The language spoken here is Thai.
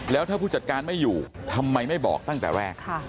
แล้วถ้าผู้จัดการไม่อยู่ทำไมไม่บอกตั้งแต่แรก